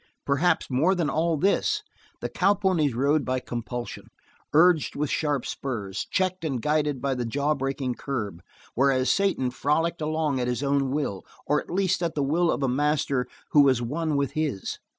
Perhaps more than all this, the cowponies rode by compulsion, urged with sharp spurs, checked and guided by the jaw breaking curb, whereas Satan frolicked along at his own will, or at least at the will of a master which was one with his.